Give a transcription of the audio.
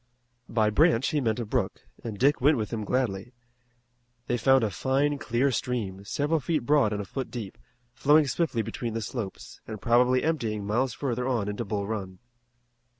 By "branch" he meant a brook, and Dick went with him gladly. They found a fine, clear stream, several feet broad and a foot deep, flowing swiftly between the slopes, and probably emptying miles further on into Bull Run.